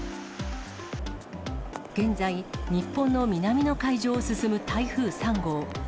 現在、日本の南の海上を進む台風３号。